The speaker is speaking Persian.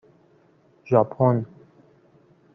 ژاپن